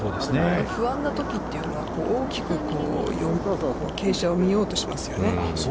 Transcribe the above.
不安なときというのは、大きく傾斜を見ようとしますよね。